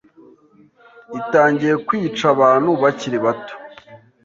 itangiye kwica abantu bakiri bato